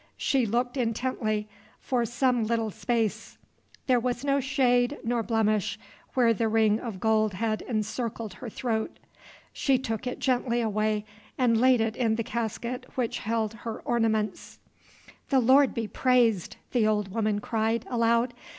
She looked intently; for some little space: there was no shade nor blemish where the ring of gold had encircled her throat. She took it gently away and laid it in the casket which held her ornaments. "The Lord be praised!" the old woman cried, aloud.